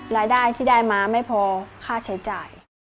รายได้ที่ได้มาไม่พอค่าใช้จ่าย